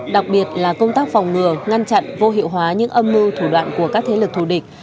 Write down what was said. đặc biệt là công tác phòng ngừa ngăn chặn vô hiệu hóa những âm mưu thủ đoạn của các thế lực thù địch